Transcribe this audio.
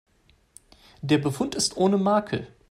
Der Befund ist ohne Makel.